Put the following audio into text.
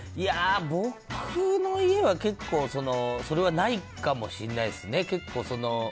僕の家は結構それはないかもしれないですね。